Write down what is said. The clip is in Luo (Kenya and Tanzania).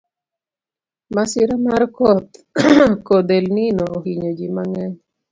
Masira mar koth elnino ohinyo ji mang’eny